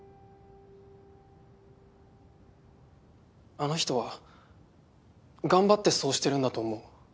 あの人は頑張ってそうしてるんだと思う。